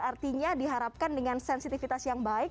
artinya diharapkan dengan sensitivitas yang baik